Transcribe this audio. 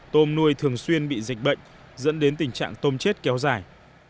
tôm nuôi thường xuyên bị dịch bệnh dẫn đến tình trạng tôm chết kéo dài